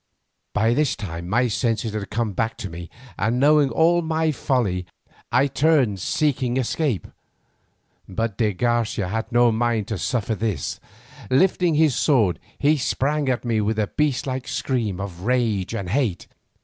_" By this time my senses had come back to me, and knowing all my folly, I turned seeking escape. But de Garcia had no mind to suffer this. Lifting his sword, he sprang at me with a beastlike scream of rage and hate.